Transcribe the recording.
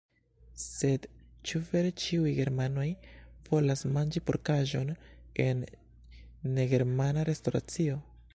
Sed ĉu vere ĉiuj germanoj volas manĝi porkaĵon en negermana restoracio?